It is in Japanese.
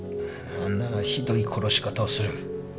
あんなひどい殺し方をする。